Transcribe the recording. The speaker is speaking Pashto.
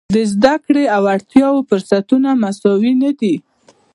د زده کړې او وړتیاوو فرصتونه مساوي نه دي.